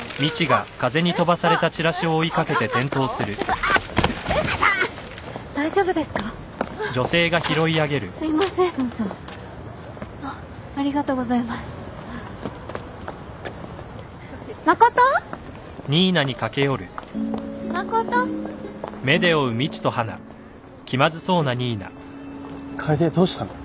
えっ楓どうしたの？